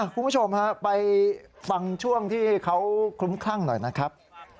คุณผู้ชมฮะไปฟังช่วงที่เขาคลุ้มคลั่งหน่อยนะครับ